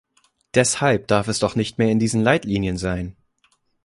Deshalb darf es doch nicht mehr in diesen Leitlinien sein!